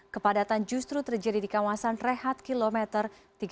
kepadatan justru terjadi di kawasan rehat kilometer tiga ratus delapan puluh sembilan